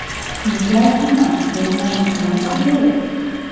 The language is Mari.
— Мӱклай кума, мемнажым кунам сийлет?